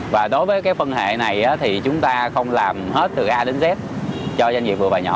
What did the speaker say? và đối với cái phân hệ này thì chúng ta không làm hết từ a đến z cho doanh nghiệp vừa và nhỏ